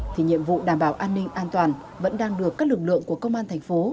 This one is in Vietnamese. thì nhiệm vụ đảm bảo an ninh an toàn vẫn đang được các lực lượng của công an thành phố